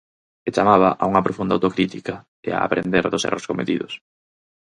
E chamaba a unha profunda autocrítica e a aprender dos erros cometidos.